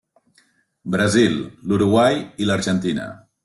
Brasil, l'Uruguai i l'Argentina.